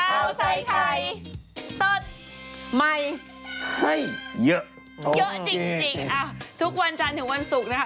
ข้าวใส่ไข่สดใหม่ให้เยอะเยอะจริงทุกวันจันทร์ถึงวันศุกร์นะคะ